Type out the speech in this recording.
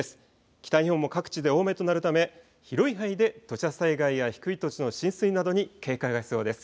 北日本も各地で大雨となるため広い範囲で土砂災害や低い土地の浸水などに警戒が必要です。